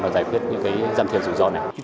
giải quyết những cái giảm thiền rủi ro này